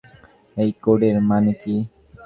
এই কোডের মানে কি?